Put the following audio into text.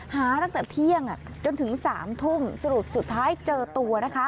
หาตั้งแต่เที่ยงจนถึง๓ทุ่มสรุปสุดท้ายเจอตัวนะคะ